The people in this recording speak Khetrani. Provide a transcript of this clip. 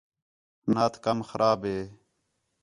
نات کم خراب ہے